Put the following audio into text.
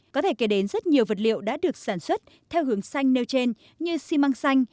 có thể kể đến rất nhiều vật liệu đã được sản xuất theo hướng xanh nêu trên như xi măng xanh